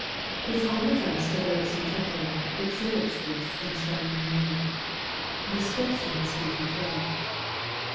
His own address to those who took Him, exhibits this in a striking manner :" the Scripture must be fulfilled."